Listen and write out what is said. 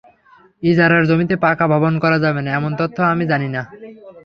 ইজারার জমিতে পাকা ভবন করা যাবে না, এমন তথ্য আমি জানি না।